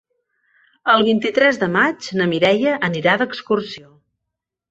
El vint-i-tres de maig na Mireia anirà d'excursió.